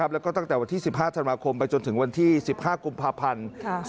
แล้วก็ตั้งแต่วันที่๑๕ธันวาคมไปจนถึงวันที่๑๕กุมภาพันธ์